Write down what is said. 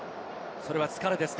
それは疲れですか？